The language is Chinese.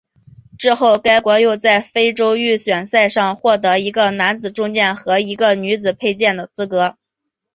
之后该国又在非洲预选赛上获得一个男子重剑和一个女子佩剑资格。